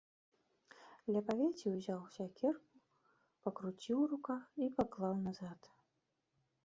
Ля павеці ўзяў сякеру, пакруціў у руках і паклаў назад.